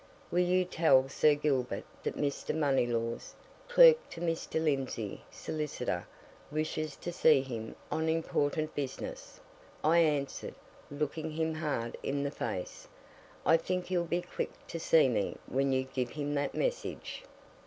"Will you tell Sir Gilbert that Mr. Moneylaws, clerk to Mr. Lindsey, solicitor, wishes to see him on important business?" I answered, looking him hard in the face. "I think he'll be quick to see me when you give him that message."